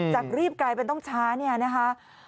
จากรีบกลายเป็นต้องช้าเนี่ยนะคะ